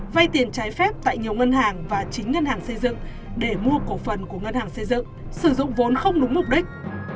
vay tiền trái phép tại nhiều ngân hàng và chính ngân hàng xây dựng để mua cổ phần của ngân hàng xây dựng sử dụng vốn không đúng mục đích